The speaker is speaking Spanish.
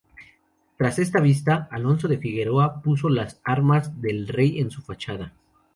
Tras esta visita, Alonso de Figueroa puso las armas del rey en su fachada.